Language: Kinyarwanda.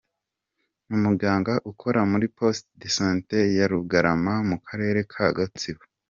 Umuganga ukora muri poste de sante ya Rugarama mu karere ka Gatsibo.